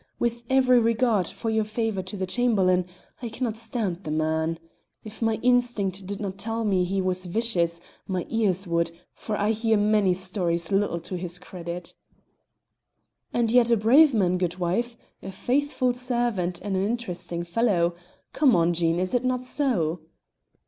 With every regard for your favour to the Chamberlain, I cannot stand the man. If my instinct did not tell me he was vicious, my ears would, for I hear many stories little to his credit." "And yet a brave man, goodwife, a faithful servant and an interesting fellow. Come now! Jean, is it not so?"